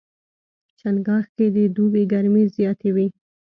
چنګاښ کې د دوبي ګرمۍ زیاتې وي.